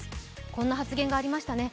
こんな発言がありましたね。